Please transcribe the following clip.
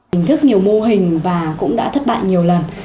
hình thức nhiều mô hình và cũng đã thất bại nhiều lần